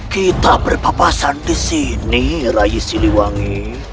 kita berpapasan disini rai siliwangi